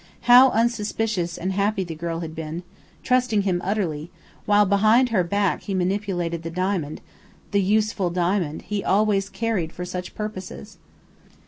How unsuspicious and happy the girl had been, trusting him utterly, while behind her back he manipulated the diamond the useful diamond he always carried for such purposes!